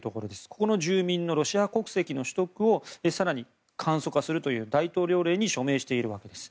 ここの住民のロシア国籍の取得を更に簡素化するという大統領令に署名しているわけです。